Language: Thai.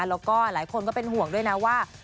แล้วก็หลายคนก็เป็นห่วงด้วยนะว่า